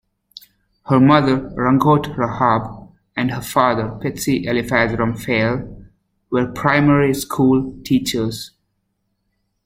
Her mother, Rangoato Rahab, and her father, Pitsi Eliphaz Ramphele were primary school teachers.